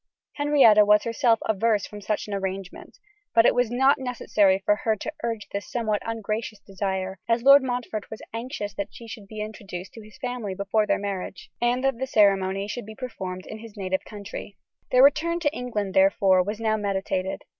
Henrietta was herself averse from such an arrangement, but it was not necessary for her to urge this somewhat ungracious desire, as Lord Montfort was anxious that she should be introduced to his family before their marriage, and that the ceremony should be performed in his native country. Their return to England, therefore, was now meditated.